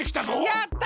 やった！